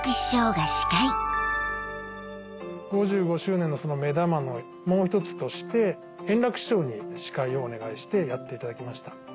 ５５周年の目玉のもう一つとして円楽師匠に司会をお願いしてやっていただきました。